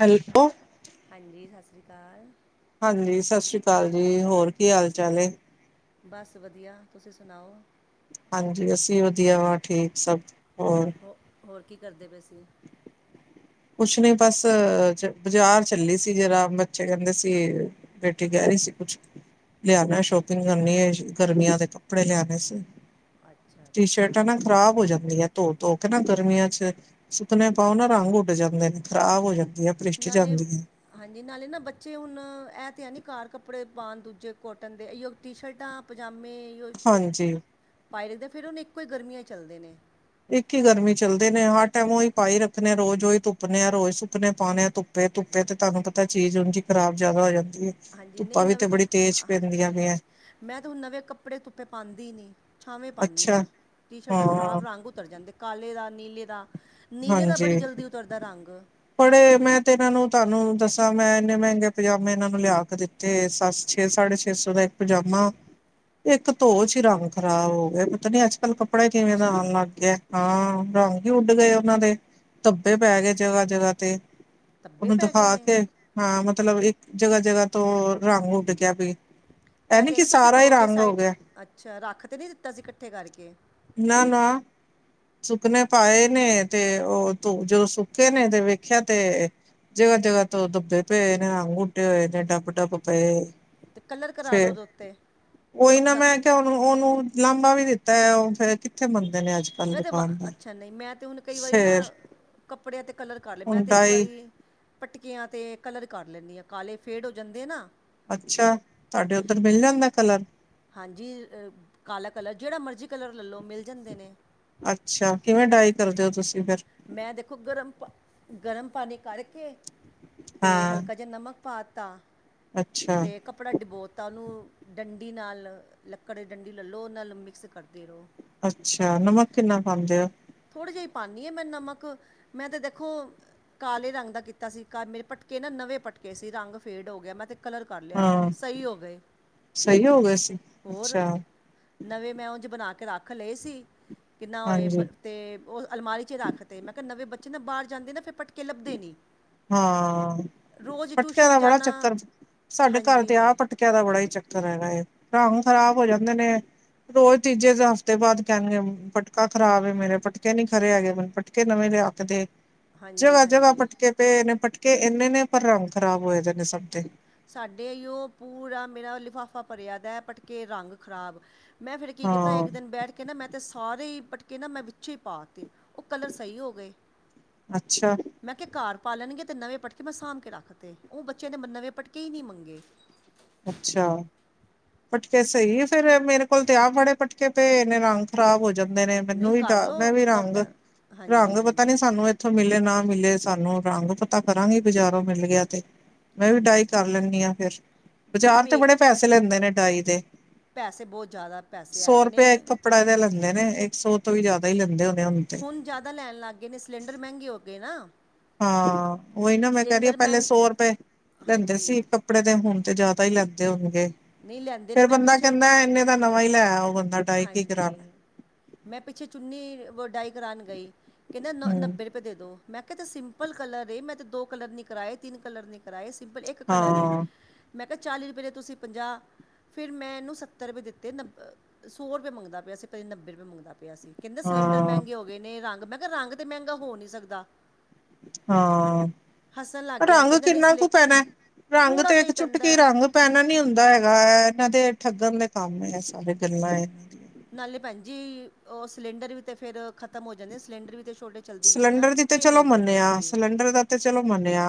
Hello ਹਾਂਜੀ ਸਸਰੀ ਕਾਲ ਹਾਂਜੀ ਸਸ਼੍ਰੀ ਕਾਲ ਜੀ ਹੋਰ ਕੀ ਹਾਲ-ਚਾਲ ਏ? ਬਸ ਵਦੀਆ ਤੁਸੀਂ ਸਨਾਓ? ਹਾਂਜੀ ਅਸੀਂ ਵੀ ਵਦੀਆ ਵਾ ਠੀਕ ਸਬ ਹੋਰ? ਹੋ-ਹੋਰ ਕੀ ਕਰਦੇ ਪਏ ਸੀ? ਕੁਛ ਨੀ ਬਸ ਚ ਬਾਜ਼ਾਰ ਚੱਲੀ ਸੀ ਜਰਾ ਬੱਚੇ ਕੈਂਦੇ ਸੀ- ਬੇਟੀ ਕੈ ਰਈ ਸੀ ਕੁਛ। ਲਿਆਨਾ ਅੱਛਾ ਸ਼ੋਪਿੰਗ ਕਰਨੀ ਏ, ਗਰਮੀਆਂ ਦੇ ਕੱਪੜੇ ਲਿਆਨੇ ਸੀ। ਅੱਛਾ ਅੱਛਾ ਟੀ-ਸ਼ਰਟਾਂ ਨਾ ਖਰਾਬ ਹੋ ਜਾਂਦੀਐ। ਧੋ-ਧੋ ਕੇ ਨਾ ਗਰਮੀਆਂ ਚ ਸੁੱਕਨੇ ਪਾਓ, ਨਾ ਰੰਗ ਉੱਡ ਜਾਂਦੇ ਨੇ ਖ਼ਰਾਬ ਹੋ ਜਾਂਦੀ ਆ। ਨਾਲੇ ਹਾਂਜੀ ਨਾਲੇ ਨਾ ਬੱਚੇ ਹੁਨ ਐ ਤੇ ਹੈਂਨੀ ਘਰ ਕੱਪੜੇ ਪਾਨ ਦੂਜੇ ਕੋਟਨ ਦੇ ਏਈਓ ਟੀ-ਸ਼ਰਟਾਂ ਪਜਾਮੇ ਓਈ ਤੇ ਹਾਂਜੀ ਪਾਏ ਰੈਂਦੇ ਆ, ਫਿਰ ਹੁਨ ਇੱਕੋ ਈ ਗਰਮੀਆਂ ਚੱਲਦੇ ਨੇ। ਇੱਕ ਈ ਗਰਮੀ ਚੱਲਦੇ ਨੇ ਹਰ ਟੈਮ ਓਈ ਪਾਈ ਰੱਖਨੇ ਆ ਰੋਜ਼ ਓਈ ਧੁੱਪ ਨੇ ਆ ਰੋਜ਼ ਸੁੱਕਨੇ ਪਾਨੇ ਆ ਧੁੱ ਤੇ ਧੁੱਪੇ ਤੇ ਤੁਆਨੂੰ ਪਤਾ ਚੀਜ਼ ਉਂਜ ਈ ਖਰਾਬ ਜਾਅਦਾ ਹੋ ਜਾਂਦੀ ਏ, ਹਾਂਜੀ ਨਹੀਂ ਧੁੱਪਾਂ ਵੀ ਤੇ ਨਵੇਂ ਕੱਪ ਬੜੀ ਤੇਜ਼ ਪੈਂਦੀਆਂ ਹਾਂਜੀ ਪਈਐਂ। ਮੈਂ ਤੇ ਹੁਨ ਨਵੇਂ ਕੱਪੜੇ ਧੁੱਪੇ ਪਾਂਦੀ ਈ ਨੀ। ਛਾਵੇਂ ਪਾਨੀ ਅੱਛਾ ਆ, ਟੀ-ਸ਼ਰਟਾਂ ਹਾਂ ਖਰਾਬ ਰੰਗ ਉਤਰ ਜਾਂਦੇ ਕਾਲੇ ਦਾ, ਨੀਲੇ ਦਾ ਨੀਲੇ ਦਾ ਹਾਂਜੀ ਬੜੀ ਜਲਦੀ ਉਤਰਦਾ ਰੰਗ। ਬੜੇ ਮੈਂ ਤੇ ਏਨਾਂ ਨੂੰ ਤੁਆਨੂੰ ਦੱਸਾਂ ਮੈਂ ਇੰਨੇ ਮੈਂਗੇ ਪਜਾਮੇ ਏਨਾਂ ਨੂੰ ਲਿਆ ਕੇ ਦਿੱ ਤੇ ਸੱਤ ਛੇ ਸਾਢੇ ਛੇ ਸੌ ਦਾ ਇੱਕ ਪਜਾਮਾ, ਇੱਕ ਧੋ ਚ ਈ ਰੰਗ ਖਰਾਬ ਹੋ ਗਿਆ, ਪਤਾ ਨੀ ਅੱਜ-ਕੱਲ ਕੱਪੜਾ ਕਿਵੇਂ ਦਾ ਅੱਛਾ ਆਨ ਲਾਗੇ ਐ। ਹਾਂ ਰੰਗ ਈ ਉੱਡ ਗਏ ਓਨਾਂ ਦੇ ਧੱਬੇ ਪੈ ਗਏ ਜਗਾ-ਜਗਾ ਤੇ। ਧੱਬੇ ਓਨੂੰ ਪੈ ਗਏ ਦਿਖਾ ਨੇ ਕੇ ਹਾਂ ਮਤਲਬ ਇੱਕ ਜਗਾ-ਜਗਾ ਤੋਂ ਰੰਗ ਉੱਡ ਗਿਆ ਬਈ। ਏ ਐ ਨੀ ਤੇ ਕਿ ਨਹੀਂ ਤੁਸੀਂ ਸਾਰਾ ਈ ਧੋ ਕੇ ਰੰਗ ਹੋ ਸਾਈਡ ਗਿਆ। ਅੱਛਾ, ਰੱਖ ਤੇ ਨੀ ਦਿੱਤਾ ਸੀ ਕੱਠੇ ਕਰਕੇ। ਨਾ-ਨਾ। ਸੁੱਕਨੇ ਪਾਏ ਨੇ ਤੇ ਓ ਧੋ ਜਦੋਂ ਸੁੱਕੇ ਨੇ ਤੇ ਵੇਖੇਆ ਤੇ ਜਗਾ-ਜਗਾ ਤੋਂ ਧੱਬੇ ਪਏ ਨੇ ਰੰਗ ਉੱਡੇ ਹੋਏ ਨੇ ਡੱਬ-ਡੱਬ ਪਏ। ਤੇ ਕਲਰ ਕਰਾ ਲਓ ਫੇਰ, ਉਹਦੇ ਉੱਤੇ ਕੋਈ ਨਾ ਪੱਕਾ ਮੈਂ ਕਿਆ ਹੁਨ ਹੁਨ ਓਨੂੰ ਲਾਂਬਾ ਵੀ ਦਿੱਤਾ ਏ ਓ ਫਿਰ ਕਿੱਥੇ ਮੰਨਦੇ ਨੇ ਅੱਜ-ਕੱਲ ਮੈਂ ਦੇ। ਤੇ ਅੱਛਾ, ਨਈਂ ਮੈਂ ਤੇ ਹੁਨ ਕਈ ਵਾਰੀ ਨਾ ਕੱਪੜੇਆਂ ਤੇ ਕਲਰ ਕਰ ਲਏ ਮੈਂ ਹੁਣ ਤੇ ਇੱਕ ਡਾਈ ਵਾਰੀ ਪਟਕੇਆਂ ਤੇ ਕਲਰ ਕਰ ਲੈਂਨੀ ਆਂ ਕਾਲੇ ਫੇਡ ਹੋ ਜਾਂਦੇ ਐ ਨਾ। ਅੱਛਾ, ਤੁਆਡੇ ਓਦਰ ਮਿਲ ਜਾਂਦੈ ਕਲਰ। ਹਾਂਜੀ, ਕਾਲਾ ਕਲਰ ਜੇੜਾ ਮਰਜ਼ੀ ਕਲਰ ਲੈ ਲੋ ਮਿਲ ਜਾਂਦੇ ਨੇ। ਅੱਛਾ, ਕਿਵੇਂ ਡਾਈ ਕਰਦੇ ਓ ਤੁਸੀਂ ਫਿਰ? ਮੈਂ ਦੇਖੋ ਗਰਮ ਪਾ, ਗਰਮ ਪਾਨੀ ਕਰਕੇ ਤੇ ਹਾਂ ਹਲਕਾ ਜਾ ਨਮਕ ਪਾ ਤਾ ਅੱਛਾ ਤੇ ਕ ਕੱਪੜਾ ਡਿਬੋ ਤਾਂ ਓਨੂੰ ਡੰਡੀ ਨਾਲ ਲੱਕੜ ਡੰਡੀ ਲੈ ਲੋ ਓਦੇ ਨਾਲ ਮਿਕਸ ਕਰਦੇ ਰਓ। ਅੱਛਿਆ, ਨਮਕ ਕਿੰਨਾ ਪਾਂਦੇ ਓ? ਥੋੜੀ ਜਈ ਪਾਨੀ ਆ ਮੈਂ ਨਮਕ ਮੈਂ ਤੇ ਦੇਖੋ ਕਾਲੇ ਰੰਗ ਦਾ ਕੀਤਾ ਸੀ ਘਰ ਮੇਰੇ ਪਟਕੇ ਨਾ ਨਵੇਂ ਪਟਕੇ ਸੀ ਰੰਗ ਫੇਡ ਹੋ ਗਿਆ ਮੈਂ ਤੇ ਕਲਰ ਕਰ ਲਿਆ, ਹਾਂ ਸਹੀ ਹੋ ਗਏ। ਸਹੀ ਹੋ ਗਏ ਸੀ ਹੋਰ ਅੱਛਾ ਨਵੇਂ ਮੈਂ ਉਂਝ ਬਣਾ ਕੇ ਰੱਖ ਲਏ ਸੀ, ਕਿੰਨਾ ਹੋਏ ਬ ਹਾਂਜੀ ਤੇ ਉਹ ਅਲਮਾਰੀ 'ਚ ਰੱਖ ਤੇ ਮੈਂ ਕਿਹਾ ਨਵੇਂ ਬੱਚੇ ਨਾ ਬਾਹਰ ਜਾਂਦੇ ਨਾ ਫਿਰ ਪਟਕੇ ਲੱਭਦੇ ਨੀ। ਹਾਂ ਪਟਕਿਆਂ ਦਾ ਬੜਾ ਜਾਣਾ ਚੱਕਰ, ਸਾਡੇ ਘਰ ਹਾਂਜੀ ਤੇ ਆ ਹਾਂਜੀ ਪਟਕ ਆ ਦਾ ਬੜਾ ਈ ਚੱਕਰ ਹੈਗਾ ਏ ਰੰਗ ਖ਼ਰਾਬ ਹੋ ਜਾਂਦੇ ਨੇ। ਰੋਜ਼ ਤੀਜੇ ਹਫ਼ਤੇ ਬਾਅਦ ਕਹਿਣਗੇ ਪਟਕਾ ਖਰਾਬ ਏ ਮੇਰੇ ਪਟਕੇ ਨੀ ਖਰੇ ਹੈਗੇ ਮੈਨ ਪਟਕੇ ਕੇ ਨਵੇਂ ਲਿਆ ਕੇ ਦੇ। ਹਾਂਜੀ ਜਗ੍ਹਾ-ਜਗ੍ਹਾ ਹਾਂਜੀ ਪਟਕੇ ਪਏ ਨੇ ਪਟਕੇ ਇੰਨੇ ਨੇ ਪਰ ਰੰਗ ਖ਼ਰਾਬ ਹੋਏ ਦੇ ਨੇ ਸਭ ਦੇ। ਸਾਡੇ ਇਹਉ ਪੂਰਾ ਮੇਰਾ ਲਿਫ਼ਾਫਾ ਭਰਿਆ ਪਿਆ ਪਟਕੇ ਰੰਗ ਖ਼ਰਾਬ। ਮੈਂ ਫਿਰ ਕੀ ਕੀਤਾ ਹਾਂ ਇੱਕ ਦਿਨ ਬੈਠ ਕੇ ਨਾ ਮੈਂ ਅਤੇ ਸਾਰੇ ਈ ਪਟਕੇ ਨਾ ਮੈਂ ਵਿਚੇ ਈ ਪਾਤੇ ਉਹ ਕਲਰ ਸਹੀ ਹੋ ਗਏ। ਅੱਛਾ ਮੈਂ ਕਿਹਾ ਘਰ ਪਾਲਣਗੇ ਤੇ ਨਵੇਂ ਪਟਕੇ ਮੈਂ ਸਾਂਭ ਕੇ ਰੱਖ ਤੇ, ਉਹ ਬੱਚਿਆਂ ਨੇ ਨਵੇਂ ਪਟਕੇ ਈ ਨੀ ਮੰਗੇ। ਅੱਛਾ। ਪਟਕੇ ਸਹੀ ਏ ਫਿਰ ਮੇਰੇ ਕੋਲ ਤੇ ਆਹ ਬੜੇ ਪਟਕੇ ਪਏ ਨਾਲੇ ਰੰਗ ਖਰਾਬ ਹੋ ਜਾਂਦੇ ਨੇ ਨਹੀਂ ਮੈਨੂੰ ਵੀ ਕਰ ਤਾਂ ਲਓ ਮੈਂ ਵੀ ਰੰਗ, ਕੋਟ ਹਾਂਜੀ ਰੰਗ ਪਤਾ ਹਾਂਜੀ ਨੀ ਸਾਨੂੰ ਉੱਥੋਂ ਮਿਲੇ ਨਾ ਮਿਲੇ ਸਾਨੂੰ ਰੰਗ ਪਤਾ ਕਰਾਂਗੀ ਬਜ਼ਾਰੋਂ ਮਿਲ ਗਿਆ ਤੇ। ਮੈਂ ਵੀ ਡਾਈ ਕਰ ਲੈਂਨੀ ਆ ਫਿਰ, ਬਾਜ਼ਾਰ ਤੇ ਪੇ ਬੜੇ ਪੈਸੇ ਲੈਂਦੇ ਨੇ ਡਾਈ ਦੇ। ਪੈਸੇ ਬਹੁਤ ਜ਼ਿਆਦਾ ਪੈਸੇ ਸੌ ਹੈਗੇ ਨੇ ਰੁਪਇਆ ਇੱਕ ਕੱਪੜਾ ਦੇ ਲੈਂਦੇ ਨੇ ਇੱਕ ਸੌ ਤੋਂ ਵੀ ਜ਼ਿਆਦਾ ਹੀ ਲੈਂਦੇ ਹੋਣੇ ਹੁਣ ਤੇ। ਹੁਣ ਜ਼ਿਆਦਾ ਲੈਣ ਲੱਗ ਗਏ ਨੇ ਸਿਲੰਡਰ ਮਹਿੰਗੇ ਹੋ ਗਏ ਨਾ। ਹਾਂ, ਉਹੀ ਨਾ ਮੈਂ ਕਹਿ ਰਹੀ ਸਿਲੰਡਰ ਪਹਿਲੇ ਮਹਿੰ ਸੌ ਰੁਪਏ, ਲੈਂਦੇ ਹਾਂਜੀ ਸੀ ਕੱਪੜੇ ਦੇ ਹੁਣ ਤੇ ਜ਼ਿਆਦਾ ਹੀ ਲੈਂਦੇ ਹੋਣਗੇ ਨਹੀਂ ਲੈਂਦੇ ਨੇ ਫੇਰ ਮੈਂ ਬੰਦਾ ਪਿੱਛੇ ਕਹਿੰਦਾ ਇੰਨੇ ਦਾ ਨਵਾਂ ਈ ਲੈ ਆਓ ਬੰਦਾ ਡਾਈ ਕੀ ਹਾਂਜੀ, ਕਰਾਣਾ ਮੈਂ ਪਿੱਛੇ ਚੁੰਨੀ ਵ ਡਾਈ ਕਰਾਣ ਗਈ, ਕਹਿੰਦੇ ਨ ਹਮ ਨੱਬੇ ਰੁਪਏ ਤੇ ਦੇ ਦੋ, ਮੈਂ ਕਿਹਾ ਇਹ ਤੇ ਸਿੰਪਲ ਕਲਰ ਏ ਮੈਂ ਤੇ ਦੋ ਕਲਰ ਨੀ ਕਰਾਏ ਤਿੰਨ ਕਲਰ ਨੀ ਕਰਾਏ ਸਿੰਪਲ ਇੱਕ ਕਲਰ ਏ। ਹਾਂ, ਮੈਂ ਕਿਹਾ ਚਾਲੀ ਰੁਪਏ ਦੇ ਤੁਸੀਂ ਪੰਜਾਹ, ਫ਼ਿਰ ਮੈਂ ਇਹਨੂੰ ਸੱਤਰ ਰੁਪਏ ਦਿੱਤੇ ਨੱਬ ਸੌ ਰੁਪਏ ਮੰਗਦਾ ਪਿਆ ਸੀ ਪਹਿਲੇ ਨੱਬੇ ਰੁਪਏ ਮੰਗਦਾ ਪਿਆ ਸੀ ਕਹਿੰਦਾ ਸਿਲੰਡਰ ਹਾਂ, ਮਹਿੰਗੇ ਹੋ ਗਏ ਨੇ ਰੰਗ ਮੈਂ ਕਿਹਾ ਰੰਗ ਤੇ ਮਹਿੰਗਾ ਹੋ ਨੀ ਸਕਦਾ। ਹਾਂ, ਹੱਸਣ ਲੱਗ ਗਿਆ ਰੰਗ ਕਹਿੰਦਾ ਨਹੀਂ ਕਿੰਨਾ ਸਿਲੰ ਕੁ ਪੈਣਾ, ਰੰਗ ਥੋੜ੍ਹਾ ਤੇ ਜਿਹਾ ਇੱਕ ਹੀ ਚੁਟਕੀ ਪੈਂਦਾ ਰੰਗ ਪੈਣਾ ਨੀ ਹੁੰਦਾ ਹੈਗਾ ਇਹਨਾਂ ਦੇ ਠੱਗਣ ਦੇ ਕੰਮ ਹੈ ਸਾਰੇ ਗੱਲਾਂ ਏ। ਨਾਲੇ ਭੈਣ ਜੀ ਉਹ ਸਿਲੰਡਰ ਵੀ ਤੇ ਫਿਰ ਖ਼ਤਮ ਹੋ ਜਾਂਦੇ ਆ ਸਿਲੰਡਰ ਵੀ ਤੇ ਛੋਟੇ ਚੱਲਦੀ ਵੀ ਸੀ ਨਾ ਸਿਲੰਡਰ ਦੀ ਤਾਂ ਕਿੱਥੇ ਚਲੋ ਮਿਲਦੇ ਪਏ ਮੰਨਿਆ ਸੀ ਸਿਲੰਡਰ ਦਾ ਤੇ ਚਲੋ ਮੰਨਿਆ,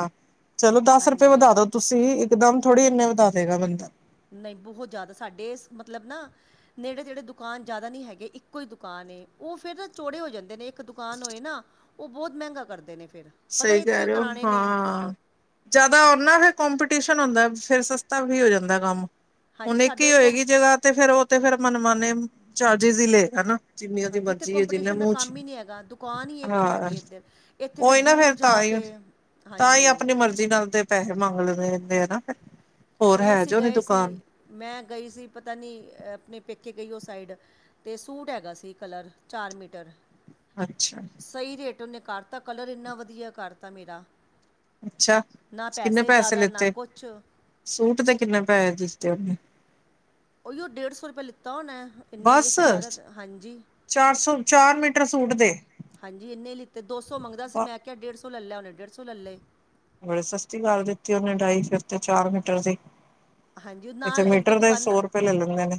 ਚਲੋ ਦਸ ਰੁਪਏ ਹਾਂਜੀ ਵਧਾ ਦੋ ਤੁਸੀਂ ਇੱਕਦਮ ਥੋੜ੍ਹੀ ਇੰਨੇ ਵਧਾ ਦੇਗਾ ਬੰਦਾ। ਨਹੀਂ ਬਹੁਤ ਜ਼ਿਆਦਾ ਸਾਡੇ ਇਸ ਮਤਲਬ ਨਾ ਨੇੜੇ-ਤੇੜੇ ਦੁਕਾਨ ਜ਼ਿਆਦਾ ਨਹੀਂ ਹੈਗੇ ਇੱਕੋ ਹੀ ਦੁਕਾਨ ਏ, ਉਹ ਫਿਰ ਤਾਂ ਚੌੜੇ ਹੋ ਜਾਂਦੇ ਨੇ ਇੱਕ ਦੁਕਾਨ ਹੋਏ ਨਾ ਉਹ ਬਹੁਤ ਮਹਿੰਗਾ ਕਰਦੇ ਨੇ ਫਿਰ। ਪਤਾ ਸਹੀ ਇੱਥੋਂ ਕਹਿ ਹੀ ਰਹੇ ਹੋ ਕਰਾਣੇ ਨੇ ਹਾਂ। ਜ਼ਿਆਦਾ ਹੋਣ ਨਾ ਫਿਰ ਕੰਪੀਟੀਸ਼ਨ ਹੁੰਦਾ ਫਿਰ ਸਸਤਾ ਵੀ ਹੋ ਜਾਂਦਾ ਕੰਮ। ਹੁਣ ਹਾਂਜੀ ਇੱਕ ਹੀ ਸਾਡੇ ਕੋਂ ਹੋਏਗੀ ਜਗ੍ਹਾ ਤੇ ਫਿਰ ਉਹ ਤੇ ਫਰ ਮਨਮਾਨੇ, ਚਾਰਜਜ ਈ ਲਏਗਾ ਨਾ। ਜਿੰਨੀ ਉਹਦੀ ਹਾਂਜੀ ਇੱਥੇ ਮਰਜ਼ੀ ਏ ਜਿਨੇ ਕੰਪੀਟੀਸ਼ਨ ਦਾ ਮੂੰਹ 'ਚ, ਕੰਮ ਹੀ ਨਹੀਂ ਹੈਗਾ ਦੁਕਾਨ ਹੀ ਇੱਕ ਹਾਂ। ਹੈਗੀ ਇੱਧਰ ਇੱਥੇ ਉਹੀ ਨਾ ਦੂਰ ਫਿਰ ਤਾਂ ਜਾ ਹੀ, ਕੇ ਤਾਂ ਹੀ ਹਾਂਜੀ ਆਪਣੀ ਮਰਜ਼ੀ ਨਾਲ ਤੇ ਪੈਸੇ ਮੰਗ ਲੈਂਦੇ ਆ ਨਾ ਫਿਰ। ਹੋਰ ਹੁਣ ਹੈ ਅਸੀਂ ਜੋ ਨੀ ਗਏ ਸੀ, ਦੁਕਾਨ ਮੈਂ ਗਈ ਸੀ ਪਤਾ ਨਹੀਂ ਆਪਣੇ ਪੇਕੇ ਗਈ ਉਹ ਸਾਈਡ ਤੇ ਸੂਟ ਹੈਗਾ ਸੀ ਕਲਰ ਚਾਰ ਮੀਟਰ। ਅੱਛਾ। ਸਹੀ ਰੇਟ ਓਨੇ ਕਰਤਾ ਕਲਰ ਏਨਾ ਵਧੀਆ ਕਰਤਾ ਮੇਰਾ ਅੱਛਾ ਨਾ ਕਿੰਨੇ ਪੈਸੇ ਜਾਦਾ ਨਾ ਲਿੱਤੇ ਕੁਛ ਸੂਟ ਦੇ ਕਿੰਨੇ ਪੈਸਾ ਦਿੱਤੇ ਓਨੇ? ਓਈ ਓ ਡੇਢ ਸੌ ਰਪੇ ਲਿੱਤਾ ਹੋਨੈ ਇੰਨੇ ਈ ਇਸ ਬਸ ਤੋਂ ਜਾਦਾ ਹਾਂਜੀ। ਚਾਰ ਸੌ ਚਾਰ ਮੀਟਰ ਸੂਟ ਦੇ ਹਾਂਜੀ ਏਨੇ ਈ ਲਿਤੇ। ਦੋ ਸੌ ਮੰਗਦਾ ਸੀ ਮੈਂ ਕੇਆ ਡੇਢ ਸੌ ਲੈ ਲੈਣ, ਓਨੇ ਡੇਢ ਸੌ ਲੈ ਲਏ। ਬੜੀ ਸਸਤੀ ਕਰ ਦਿੱਤੀ ਓਨੇ ਡਾਈ ਫੇਰ ਤੇ ਚਾਰ ਮੀਟਰ ਦੀ। ਹਾਂਜੀ ਏਥੇ ਨਾਲ ਇੱਕ ਮੀਟਰ ਦੇ ਸੌ ਰਪੇ ਲੈ ਲੈਂਦੇ ਨੇ।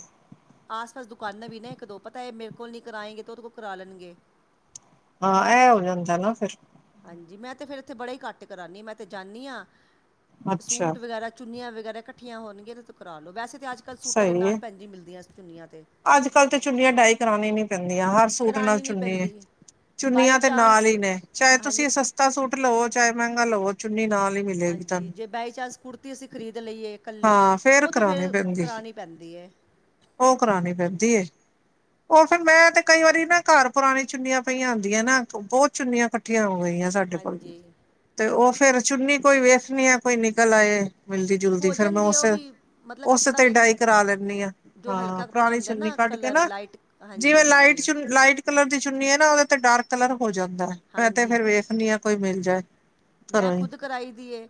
ਆਸ ਪਾਸ ਦੁਕਾਨਾਂ ਵੀ ਨਾ ਇੱਕ ਦੋ ਪਤਾ ਏ ਮੇਰੇ ਕੋਲ ਨੀ ਕਰਾਏਂਗੇ ਤੇ ਓਦੇ ਕੋਲ ਕਰਾ ਲੈਨਗੇ। ਹਾਂ ਐ ਹੋ ਜਾਂਦਾ ਨਾ ਫੇਰ। ਹਾਂਜੀ ਮੈਂ ਤੇ ਫੇਰ ਏਥੇ ਬੜਾ ਈ ਘੱਟ ਕਰਾਂਨੀ ਆ। ਮੈਂ ਤੇ ਜਾਂਨੀ ਆਂ ਅੱਛਾ ਸੂਟ ਵਗੈਰਾ ਚੁੰਨੀਆਂ ਵਗੈਰਾ ਕੱਠੀਆਂ ਹੋਣਗੀਆਂ ਤੇ ਓਦੇ ਤੋ ਕਰਾ ਲਓ। ਵੈਸੇ ਤੇ ਅੱਜ ਕੱਲ ਸੂਟਾਂ ਸਹੀ ਨਾਲ ਹੈ ਭੈਣ ਜੀ ਮਿਲਦੀਆਂ ਚੁੰਨੀਆਂ ਤੇ। ਅੱਜ ਕੱਲ ਤੇ ਚੁੰਨੀਆਂ ਡਾਈ ਕਰਾਣੀ ਈ ਨੀ ਪੈਂਦੀਆਂ ਅਜ ਸੂਟਾਂ ਨਾਲ ਕਰਾਣੀ ਨਹੀਂ ਚੁੰਨੀ ਏ। ਪੈਂਦੀ ਬਾਏ ਚੁੰਨੀਆਂ ਤੇ ਨਾਲ ਚਾਂਸ ਈ ਨੇ ਚਾਏ ਹਾਂਜੀ ਤੁਸੀ ਸਸਤ ਤਾ ਸੂਟ ਲਵੋ ਚਾਏ ਮੈਂਗਾ ਲਵੋ ਚੁੰਨੀ ਨਾਲ ਈ ਮਿ ਹਾਂਜੀ, ਜੇ ਬਾਏ ਚਾਂਸ ਕੁੜਤੇ ਤੀ ਅਸੀ ਖਰੀਦ ਲਈਏ ਕੱਲੀ ਹਾਂ ਓ ਤੇ ਕਰਾਉਣੀ ਫੇਰ ਕਰਾਨੀ ਪੈਂਦੀ ਏ ਓ ਕਰਾਣੀ ਪੈਂਦੀ ਏ। ਓ ਫੇਰ ਮੈਂ ਤੇ ਕਈ ਵਾਰੀ ਨਾ ਘਰ ਪੁਰਾਨੀ ਚੁੰਨੀਆਂ ਪਈਆਂ ਹੁੰਦੀਆਂ ਨਾ ਬੋਤ ਚੁੰਨੀਆਂ ਕੱਠੀਆਂ ਹੋ ਗਈਆਂ ਸਾਡੇ ਕੋਲ, ਹਾਂਜੀ ਤੇ ਓ ਫੇਰ ਚੁੰਨੀ ਕੋਈ ਵੇਖਨੀ ਆਂ ਕੋਈ ਨਿਕਲ ਆਏ ਮਿਲਦੀ ਜੁਲਦੀ ਹੋ ਫੇਰ ਮੈਂ ਜਾਂਦੀ ਆ ਉਸ ਓ ਵੀ ਮਤਲਬ ਉਸ ਕੱਪੜਾ ਤੇ ਦੇਖਣਾ, ਡਾਈ ਕਰਾ ਲੈਂਦੀ ਹਾਂ ਜੋ ਹਾਂ ਹਲਕਾ ਕੱਪੜਾ ਪੁਰਾਣੀ ਹੁੰਦਾ ਚੁੰਨੀ ਨਾ ਕੱਢ ਕੇ ਕਲਰ ਨਾ ਲਾਈਟ ਹਾਂਜੀ- ਜਿਵੇਂ ਲਾਈਟ ਹਾਂਜੀ। ਚੁ ਲਾਈਟ ਕਲਰ ਦੀ ਚੁੰਨੀ ਏ ਨਾ ਓਦੇ ਤੇ ਡਾਰਕ ਕਲਰ ਹੋ ਜਾਂਦਾ ਐ। ਮੈਂ ਤੇ ਹਾਂਜੀ ਫੇਰ ਵੇਖਨੀ ਆਂ ਕੋਈ ਮਿਲ ਜਾਏ। ਮੈਂ ਘਰੋਂ ਹੀ ਖੁਦ ਕਰਾਈ ਦੀ ਏ,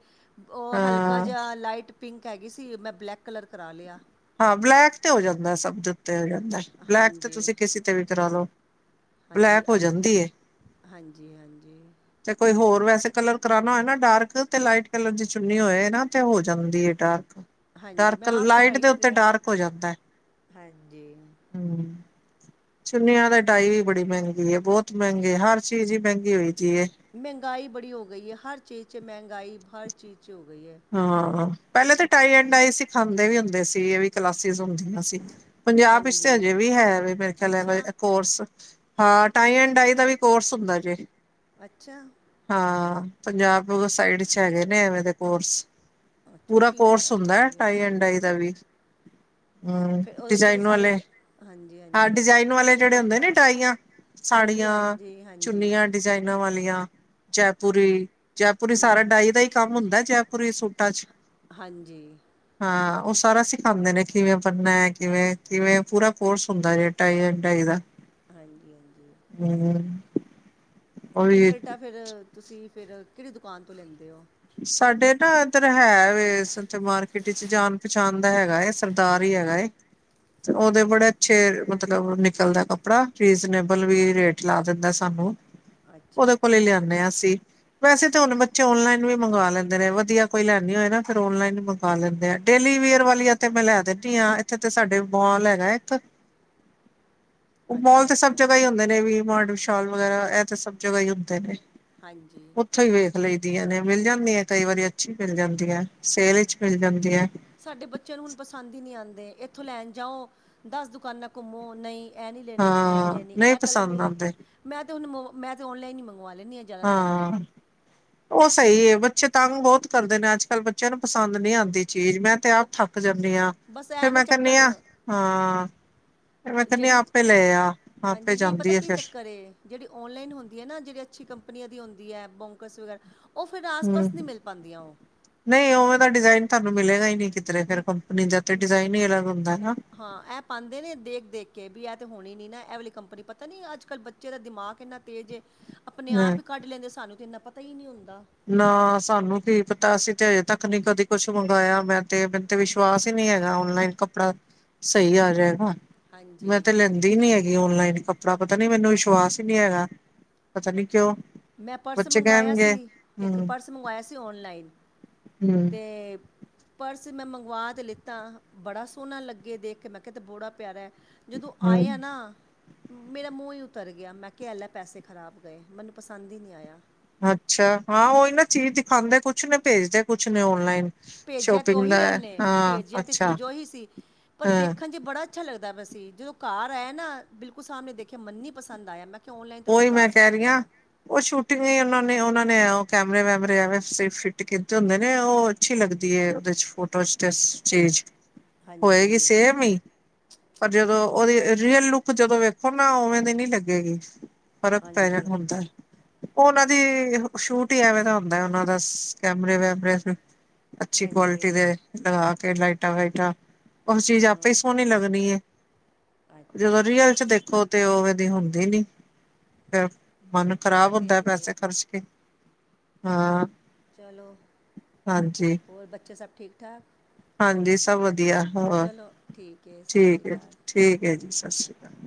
ਓ ਹਲਕਾ ਹਾਂ ਜਾ ਲਾਈਟ ਪਿੰਕ ਹੈਗੀ ਸੀ, ਮੈਂ ਬਲੈਕ ਕਲਰ ਕਰਾ ਲੇਆ। ਹਾਂ ਬਲੈਕ ਤੇ ਹੋ ਜਾਂਦਾ ਸਭ ਦੇ ਉੱਤੇ ਹੋ ਜਾਂਦੈ, ਬਲੈਕ ਤੇ ਹਾਂਜੀ ਤੁਸੀ ਕਿਸੀ ਤੇ ਵੀ ਕਰਾ ਲਓ ਹਾਂਜੀ ਬਲੈਕ ਹੋ ਅ ਜਾਂਦੀ ਏ ਹਾਂਜੀ- ਹਾਂਜੀ। ਤੇ ਕੋਈ ਹੋਰ ਵੈਸੇ ਕਲਰ ਕਰਾਨਾ ਹੋਏ ਨਾ ਡਾਰਕ ਤੇ ਲਾਈਟ ਕਲਰ ਦੀ ਚੁੰਨੀ ਹੋਏ ਨਾ ਤੇ ਹੋ ਜਾਂਦੀ ਐ ਡਾਰਕ ਹਾਂਜੀ ਮੈਂ ਡਾਰਕ ਆਪ ਲਾਈਟ ਕਰਾਈ ਦੇ ਲੈ ਉੱਤੇ ਆ, ਡਾਰਕ ਹੋ ਜਾਂਦਾ ਹਾਂਜੀ। ਹਮ ਚੁੰਨੀਆਂ ਦੇ ਡਾਈ ਵੀ ਬੜੀ ਮੈਂਗੀ ਏ ਬੋਤ ਮੈਂਗੀ ਹਰ ਚੀਜ਼ ਈ ਮੈਂਗੀ ਹੋਈ ਦੀ ਏ ਮੈਂਗਾਈ ਬੜੀ ਹੋ ਗਈ ਏ। ਹਰ ਚੀਜ਼ ਚ ਮੈਂਗਾਈ ਹਰ ਚੀਜ਼ ਚ ਹੋ ਗਈ ਏ। ਹਾਂ ਪੈਲੇ ਤੇ ਟਾਈ ਐਂਡ ਡਾਈ ਸਿਖਾਂਦੇ ਵੀ ਹੁੰਦੇ ਸੀ। ਐ ਵੀ ਕਲਾਸਿਜ਼ ਹੁੰਦੀਆਂ ਸੀ। ਪੰਜਾਬ ਵਿੱਚ ਹਾਂਜੀ ਤੇ ਹਜੇ ਵੀ ਹੈ ਵੇ ਮੇਰੇ ਖੇਆਲ ਐ ਵਾਲੇ ਅੱਛਾ ਐ ਕੋਰਸ। ਹਾਂ ਟਾਈ ਐਂਡ ਡਾਈ ਦਾ ਵੀ ਕੋਰਸ ਹੁੰਦਾ ਜੇ। ਅੱਛਾ। ਹਾਂ, ਪੰਜਾਬ ਸਾਈਡ ਚ ਹੈਗੇ ਨੇ ਐਵੇਂ ਦੇ ਕੋਰਸ। ਅੱਛਾ ਪੂਰਾ ਕੀ ਕਰ ਕੋਰਸ ਹੁੰਦਾ ਐ ਹਾਂਜੀ ਟਾਈ ਐਂ ਹਾਂਜੀ ਡਾਈ ਦਾ ਵੀ। ਹੂੰ। ਫਿਰ ਉਹਦੇ 'ਚ ਤਾਂ ਡਿਜ਼ਾਇਨ ਸਾਰੇ ਵਾਲੇ, ਕ ਹਾਂਜੀ ਹਾਂ ਹਾਂਜੀ ਡਿਜ਼ਾਇਨ ਵਾਲੇ ਜੇੜੇ ਹੁੰਦੇ ਨੀ ਡਾਈਆਂ। ਹਾਂਜੀ ਸਾੜੀਆਂ, ਹਾਂਜੀ ਹਾਂਜੀ ਚੁੰਨੀਆਂ ਡਿਜ਼ਾਇਨਾਂ ਵਾਲੀਆਂ ਜੈਪੁਰੀ, ਜੈਪੁਰੀ ਸਾਰਾ ਡਾਈ ਦਾ ਈ ਕੰਮ ਹੁੰਦਾ ਐ ਜੈਪੁਰੀ ਸੂਟਾਂ ਚ। ਹਾਂਜੀ ਹਾਂ ਉਹ ਸਾਰਾ ਸਿਖਾਉਂਦੇ ਨੇ ਕਿਵੇਂ ਬਣਨਾ ਹੈ? ਕਿਵੇਂ - ਕਿਵੇਂ ਪੂਰਾ ਕੋਰਸ ਹੁੰਦਾ ਜ- ਟਾਈ ਐਂਡ ਡਾਈ ਦਾ- ਹਾਂਜੀ -ਹਾਂਜੀ ਹਮ ਉਹ ਫਿਰ ਟੀ- ਵੀ ਸ਼ਰਟਾਂ ਫਿਰ ਤੁਸੀਂ ਫਿਰ ਕਿਹੜੀ ਦੁਕਾਨ ਤੋਂ ਲੈਂਦੇ ਔ। ਸਾਡੇ ਨਾ ਇੱਧਰ ਹੈ ਵੇ ਏਥੇ ਮਾਰਕੀਟ ਚ ਜਾਣ- ਪਛਾਣ ਦਾ ਹੈਗਾ ਐ, ਸਰਦਾਰ ਈ ਹੈਗਾ ਐ। [inaudible] ਤੇ ਉਹਦੇ ਬੜੇ ਅੱਛੇ ਮਤਲਬ ਨਿਕਲਦਾ ਕੱਪੜਾ ਰੀਜ਼ਨੇਬਲ ਵੀ ਰੇਟ ਲਾ ਦਿੰਦਾ ਸਾਨੂੰ, ਅੱਛਾ ਉਹਦੇ ਕੋਲ ਅੱਛਾ ਲਿਆਨੇ ਆ ਅਸੀ ਵੈਸੇ ਤਾਂ ਹੁਣ ਬੱਚੇ ਔਨਲਾਈਨ ਵੀ ਮੰਗਵਾ ਲੈਂਦੇ ਨੇ, ਵਧੀਆ ਕੋਈ ਲੈਣੀ ਹੋਏ ਨਾ ਫ਼ਿਰ ਔਨਲਾਈਨ ਮੰਗਵਾ ਲੈਂਦੇ ਆ, ਡੇਲੀ ਵੇਅਰ ਵਾਲੀਆ ਤੇ ਮੈਂ ਲੈ ਦੇਣੀ ਆ ਇਥੇ ਤੇ ਸਾਡੇ ਮੋਲ ਹੈਗਾ ਇੱਕ [inaudible] ਮੋਲ ਅੱਛਾ ਤੇ ਸਭ ਅੱਛਾ ਜਗ੍ਹਾ ਈ ਹੁੰਦੇ ਨੇ ਵੀ ਮਾਰਡ ਵਿਸ਼ਾਲ ਵਗੈਰਾ ਇਹ ਤੇ ਸਭ ਜਗ੍ਹਾ ਈ ਹੁੰਦੇ ਨੇ। ਹਾਂਜੀ ਉੱਥੋਂ ਈ ਵੇਖ ਲਈ ਦੀਆਂ ਨੇ ਮਿਲ ਜਾਂਦੀਆਂ ਕਈ ਵਾਰੀ ਅੱਛੀ ਮਿਲ ਜਾਂਦੀਆਂ, ਸੇਲ 'ਚ ਮਿਲ ਜਾਂਦੀਆਂ। ਸਾਡੇ ਬੱਚਿਆਂ ਨੂੰ ਹੁਣ ਪਸੰਦ ਈ ਨਹੀਂ ਆਂਦੇ, ਇੱਥੋਂ ਲੈਣ ਜਾਓ ਦਸ ਦੁਕਾਨਾਂ ਘੁੰਮੋ ਨਈ ਇਹ ਨੀ ਲੈਣੀ, ਇਹ ਨੀ ਹਾਂ ਲੈਣੀ, ਨਹੀਂ ਇਹ ਕਲਰ ਪਸੰਦ ਨੀ ਆਉਂਦੇ ਮੈਂ ਤੇ ਹੁਣ ਮੈਂ ਤਾਂ ਔਨਲਾਈਨ ਈ ਮੰਗਵਾ ਲੈਂਦੀ ਹੈਗੀ। ਹਾਂ। ਉਹ ਸਹੀ ਐ, ਬੱਚੇ ਤੰਗ ਬਹੁਤ ਕਰਦੇ ਨੇ ਅੱਜ-ਕੱਲ੍ਹ ਬੱਚਿਆਂ ਨੂੰ ਪਸੰਦ ਨੀ ਆਂਦੀ ਚੀਜ਼, ਮੈਂ ਤੇ ਉਹ ਆਪ ਥੱਕ ਜਾਂਦੀ ਆ, ਬਸ ਐ ਫਿਰ ਨਾ ਮੈਂ ਕਹਿੰਨੀ ਚੱਕਰ ਹਾਂ। ਫਿਰ ਮੈਂ ਕਹਿੰਨੀ ਜਿਹੜੀ ਆਪੇ ਲੈ ਆ, ਆਪੇ ਹਾਂਜੀ ਨਹੀਂ ਪਤਾ ਜਾਂਦੀ ਆ ਕੀ ਫਿਰ ਚੱਕਰ ਏ ਜਿਹੜੀ ਔਨਲਾਈਨ ਹੁੰਦੀ ਐ ਜਿਹੜੀ ਅੱਛੀ ਕੰਪਨੀਆਂ ਦੀ ਹੁੰਦੀ ਬੋਂਕਸ ਵਗੈਰਾ ਉਹ ਫਿਰ ਹਮ। ਆਸ-ਪਾਸ ਨਹੀਂ ਮਿਲ ਪਾਂਦੀਆਂ ਉਹ ਨਹੀਂ ਉਵੇ ਦਾ ਤਾਂ ਡਿਜ਼ਾਇਨ ਤੁਹਾਨੂੰ ਮਿਲੇਗਾ ਈ ਨਹੀਂ ਕਿਧਰੇ ਫਿਰ ਕੰਪਨੀ ਦਾ ਤੇ ਡਿਜ਼ਾਇਨ ਈ ਅਲੱਗ ਹੁੰਦਾ ਐ ਨਾ ਹਾਂ ਇਹ ਪਾਂਦੇ ਨੇ ਦੇਖ-ਦੇਖ ਕੇ ਵੀ ਇਹ ਤੇ ਹੋਣੀ ਨੀ ਨਾ ਇਹ ਵਾਲੀ ਕੰਪਨੀ ਪਤਾ ਨੀ ਅੱਜ -ਕੱਲ੍ਹ ਬ ਬੱਚੇ ਦਾ ਦਿਮਾਗ ਇੰਨਾ ਤੇਜ਼ ਏ, ਆਪਣੇ ਹਾਂ ਆਪ ਈ ਕੱਢ ਲੈਂਦੇ, ਸਾਨੂੰ ਤੇ ਇੰਨਾ ਪਤਾ ਈ ਨਈ ਉਦਾਂ ਨਾ ਸਾਨੂੰ ਕੀ ਪਤਾ ਅਸੀਂ ਤੇ ਹਜੇ ਤੱਕ ਨਹੀ ਕਦੀ ਕੁਛ ਮੰਗਵਾਆ ਮੈਂ ਤੇ ਤੇ ਵਿਸ਼ਵਾਸ ਈ ਨਈ ਹੈਗਾ, ਔਨਲਾਈਨ ਕੱਪੜਾ ਸਹੀ ਆ ਜਾਏਗਾ, ਮੈਂ ਹਾਂਜੀ ਤੇ ਲੈਂਦੀ ਦੀ ਨੀ ਹੈਗੀ ਓਨਲਾਈਨ ਕੱਪੜਾ, ਪਤਾ ਨੀ ਮੈਨੂੰ ਵਿਸ਼ਵਾਸ ਈ ਨਹੀਂ ਹੈਗਾ ਪਤਾ ਨੀ ਕਿਉਂ। ਮੈਂ ਪਰਸ ਬੱਚੇ ਮੰਗਵਾਇਆ ਕਹਿਣਗੇ ਸੀ, ਇੱਕ ਹਮ ਪਰਸ ਮੰਗਵਾਇਆ ਸੀ ਔਨਲਾਈਨ। ਹਮ। ਤੇਬ। ਪਰਸ ਮੈਂ ਮੰਗਵਾ ਤੇ ਲਿੱਤਾ, ਬੜਾ ਸੋਹਣਾ ਲੱਗੇ ਦੇਖ ਕੇ ਮੈਂ ਕਿਹਾ ਤੇ ਬੜਾ ਪਿਆਰਾ ਐ। ਜਦੋਂ ਆਇਆ ਹਮ ਨਾ ਮੇਰਾ ਮੂੰਹ ਈ ਉਤਰ ਗਿਆ, ਮੈਂ ਕਿਹਾ ਐਲੈ ਪੈਸੇ ਖ਼ਰਾਬ ਗਏ ਮੈਨੂੰ ਪਸੰਦ ਈ ਨਹੀਂ ਆਇਆ। ਅੱਛਾ, ਹਾਂ ਉਹਹੀ ਨਾ ਚੀਜ਼ ਦਿਖਾਉਂਦੇ ਕੁਛ ਨੇ ਭੇਜਦੇ ਕੁਛ ਨੇ ਔਨਲਾਈਨ। ਭੇਜਿਆ ਤੇ ਸ਼ੋਪਿੰਗ ਦਾ ਉਹੀ ਉਹਨੇ ਹਾਂ ਭੇਜਿਆ ਤੇ ਅੱਛਾ ਚੀਜ਼ ਉਹੀ ਸੀ ਪਰ ਹਾਂ ਦੇਖਣ ਚੇ ਬੜਾ ਅੱਛਾ ਲੱਗਦਾ ਪਿਆ ਸੀ, ਜਦੋਂ ਘਰ ਆਇਆ ਨਾ ਬਿਲਕੁਲ ਸਾਹਮਣੇ ਦੇਖਿਆ ਮੰਨਨੀ ਪਸੰਦ ਆਇਆ ਮੈਂ ਕਿਹਾ ਕਿ ਔਨਲਾਈਨ ਤੋਂ ਉਹੀ ਮੈਂ ਵਿਸ਼ਵਾਸ ਕਹਿ ਉੱਠ ਰਹੀ ਹਾਂ ਗਿਆ। ਉਹ ਸ਼ੂਟਿੰਗਾਂ ਉਹਨਾਂ ਨੇ, ਉਹਨਾਂ ਨੇ ਕੈਮਰੇ-ਵੈਮਰੇ ਇਉਂ ਫਿੱਟ ਕੀਤੇ ਹੁੰਦੇ ਨੇ ਉਹ ਅੱਛੀ ਲੱਗਦੀ ਏ ਉਹਦੇ ਚ ਫੋਟੋ 'ਚ ਤੇ ਚੇਜ, ਹੋਏਗੀ ਹਾਂਜੀ ਸੇਮ ਈ। ਪਰ ਜਦੋਂ ਉਹਦੀ ਰੀਅਲ ਲੁੱਕ ਜਦੋਂ ਵੇਖੋ ਨਾ ਉਵੇਂ ਦੀ ਨੀ ਲੱਗੇਗੀ। ਫਰਕ ਪੈ ਜਾਣਾ ਹਾਂਜੀ ਹੁੰਦਾ ਹੈ। ਓਨਾਂ ਦੀ ਸ਼ੂਟ ਈ ਐਵੇਂ ਤਾਂ ਹੁੰਦਾ ਓਨਾਂ ਸ ਦਾ ਕੈਮਰੇ ਵੈਮਰੇ ਅੱਛੀ ਹਾਂਜੀ ਕੁਆਲਿਟੀ ਦੇ, ਲਗਾ ਕੇ ਲਾਈਟਾਂ-ਵਾਈਟਾਂ ਓ ਚੀਜ਼ ਆਪੇ ਹੀ ਹੂੰ ਸੋਣੀ ਲੱਗਣੀ ਏ, ਅੱਛਾ ਜੇ ਰੀਅਲ ਚ ਦੇਖੋ ਤੇ ਉਵੇ ਦੀ ਹੁੰਦੀ ਨੀ। ਫਿਰ ਮਨ ਇਹ ਖ਼ਰਾਬ ਤੇ ਹੁੰਦਾ ਐ ਆਈ ਹੈ ਪੈਸੇ ਖ਼ਰਚ ਕੇ, ਹਾਂ। ਚਲੋ, ਹਾਂਜੀ, ਹੋਰ ਬੱਚੇ ਸਭ ਠੀਕ-ਠਾਕ? ਹਾਂਜੀ ਸਭ ਵਦੀਆ, ਹੋਰ, ਠੀਕ ਹੈ ਸਤਿ ਸ਼੍ਰੀ ਠੀਕ ਏ ਜੀ, ਅਕਾਲ ਠੀਕ ਏ ਜੀ ਸਸੀ ਕਾਲ।